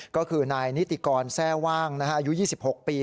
ก็คือนายนิติกรแทร่ว่างอายุ๒๖ปี